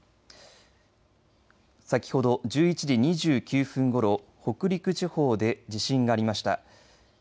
先ほど１１時２９分ごろ北陸地方で地震がありました。